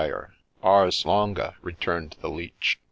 Ars longa !' returned the Leech.